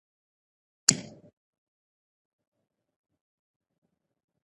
اداري عدالت د اوږدمهاله سولې مهمه برخه ده